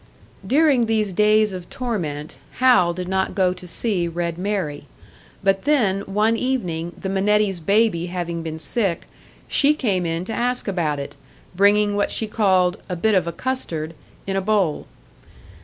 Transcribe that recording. During these days of torment, Hal did not go to see "Red Mary"; but then, one evening, the Minettis' baby having been sick, she came in to ask about it, bringing what she called "a bit of a custard" in a bowl.